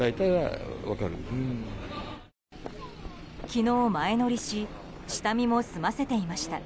昨日、前乗りし下見も済ませていました。